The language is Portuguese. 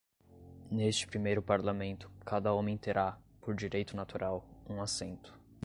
Neste primeiro parlamento, cada homem terá, por direito natural, um assento.